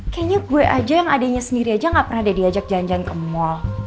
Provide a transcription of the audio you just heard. kayaknya gue aja yang adenya sendiri aja gak pernah diajak janjan ke mall